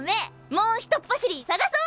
もうひとっ走り探そう！